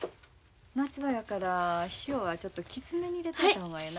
夏場やから塩はちょっときつめに入れといた方がええな。